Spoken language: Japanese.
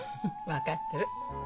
分かってる。